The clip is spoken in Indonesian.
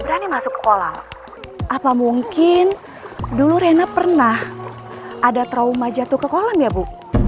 berani masuk sekolah apa mungkin dulu rena pernah ada trauma jatuh ke kolam ya bu